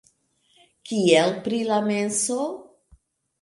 Kiel pri la menso?